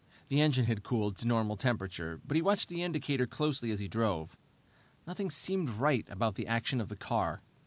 The engine had cooled to normal temperature, but he watched the indicator closely as he drove. Nothing seemed right about the action of the car.